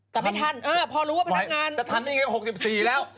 แต่ไม่ทันพอรู้ว่าพนักงานจะทำยังไง๖๔แล้ว